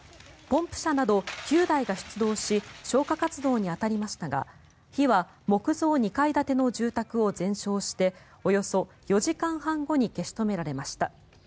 ポンプ車など９台が出動し消火活動に当たりましたが火は木造２階建ての住宅を全焼しておよそ４時間半後に消し止められました。